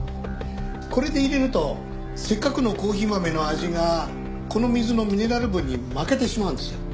これで入れるとせっかくのコーヒー豆の味がこの水のミネラル分に負けてしまうんですよ。